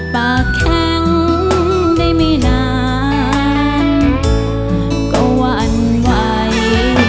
ปากแข็งได้ไม่นานก็หวั่นไหว